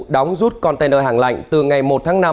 đóng rút container hàng lạnh từ ngày một tháng năm